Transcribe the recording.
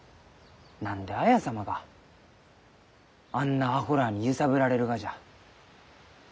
何で綾様があんなアホらあに揺さぶられるがじゃ？